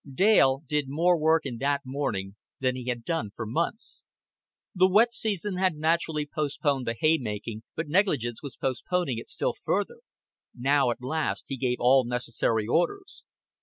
Dale did more work in that one morning than he had done for months. The wet season had naturally postponed the hay making, but negligence was postponing it still further; now at last he gave all necessary orders.